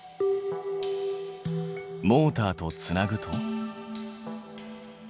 モーターとつなぐと？